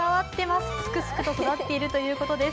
すくすくと育っているということです。